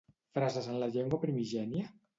¿Frases en la llengua primigènia?